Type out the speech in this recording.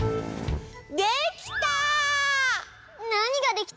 できた！